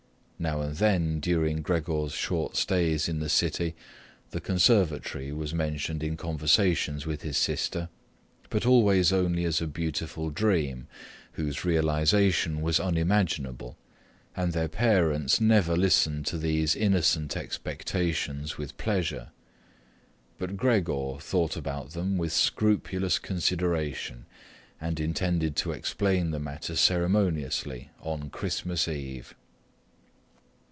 Now and then during Gregor's short stays in the city the conservatory was mentioned in conversations with his sister, but always only as a beautiful dream, whose realization was unimaginable, and their parents never listened to these innocent expectations with pleasure. But Gregor thought about them with scrupulous consideration and intended to explain the matter ceremoniously on Christmas Eve.